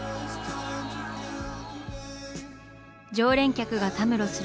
常連客がたむろする